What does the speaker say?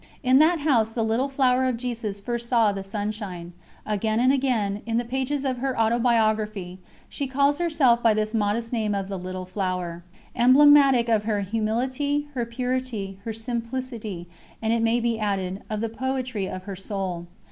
In that house the "Little Flower of Jesus" first saw the sunshine. Again and again, in the pages of her Autobiography, she calls herself by this modest name of the Little Flower, emblematic of her humility, her purity, her simplicity, and it may be added, of the poetry of her soul.